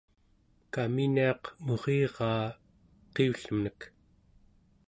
kaminiaq muriraa eqiullemnek